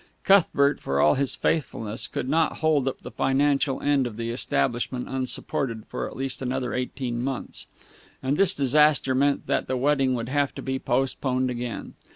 Cuthbert, for all his faithfulness, could not hold up the financial end of the establishment unsupported for at least another eighteen months; and this disaster meant that the wedding would have to be postponed again.